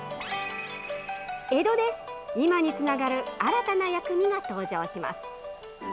江戸で今につながる新たな薬味が登場します。